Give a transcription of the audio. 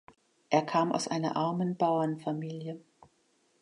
Er kam aus einer armen Bauernfamilie.